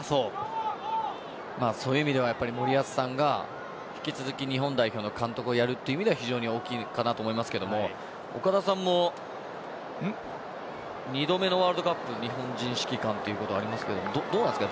そういう意味では森保さんが引き続き日本代表の監督をやるという意味では非常に大きいかなと思いますが岡田さんも２度目のワールドカップ日本人指揮官ということはありますがどうですか？